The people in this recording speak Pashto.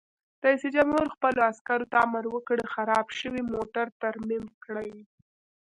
رئیس جمهور خپلو عسکرو ته امر وکړ؛ خراب شوي موټر ترمیم کړئ!